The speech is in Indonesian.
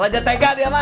raja tega dia bang